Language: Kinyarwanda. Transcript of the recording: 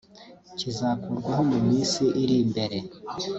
kizakurwaho mu minsi iri imbere